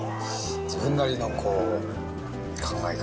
自分なりの考え方